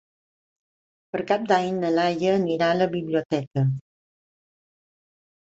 Per Cap d'Any na Laia anirà a la biblioteca.